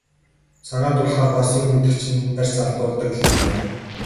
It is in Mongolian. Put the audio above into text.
Цагаа тулахаар бас юм гэдэг чинь бас барьц алдуулдаг л юм байна.